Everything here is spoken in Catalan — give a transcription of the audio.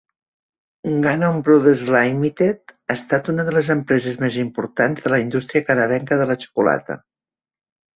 Ganong Brothers Limited ha estat una de les empreses més importants de la indústria canadenca de la xocolata.